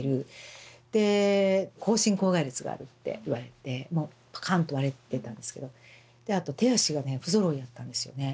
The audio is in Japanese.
で口唇口蓋裂があるって言われてもうパカンと割れてたんですけどであと手足がね不ぞろいやったんですよね。